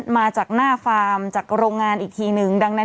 มาจากหน้าฟาร์มจากโรงงานอีกทีหนึ่ง